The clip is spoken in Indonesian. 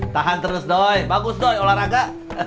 tahan terus doi bagus doi olahraga